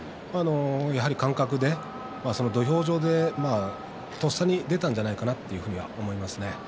やはり感覚で土俵上でとっさに出たんじゃないかと思いますね。